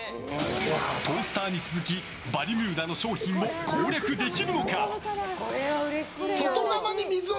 トースターに続きバルミューダの商品を攻略できるのか。